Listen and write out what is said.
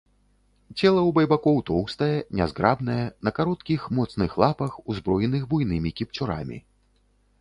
Цела ў байбакоў тоўстае, нязграбнае, на кароткіх, моцных лапах, узброеных буйнымі кіпцюрамі.